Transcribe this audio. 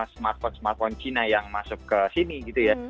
smartphone smartphone china yang masuk ke sini gitu ya